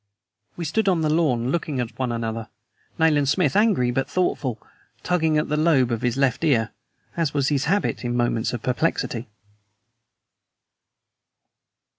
We stood on the lawn looking at one another, Nayland Smith, angry but thoughtful, tugging at the lobe of his left ear, as was his habit in moments of perplexity.